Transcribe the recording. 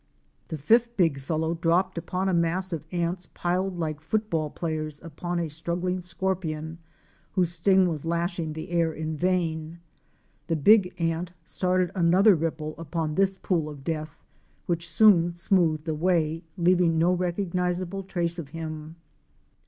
The fifth big fellow dropped upon a mass of ants piled like foot ball players upon a struggling scorpion, whose sting was lashing the air in vain. The big ant started another ripple upon this pool of death, which soon smoothed away, leaving no recognizable trace of him.